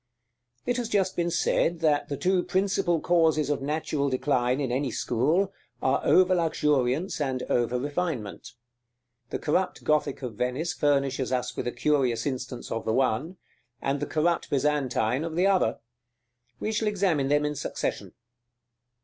§ VI. It has just been said that the two principal causes of natural decline in any school, are over luxuriance and over refinement. The corrupt Gothic of Venice furnishes us with a curious instance of the one, and the corrupt Byzantine of the other. We shall examine them in succession.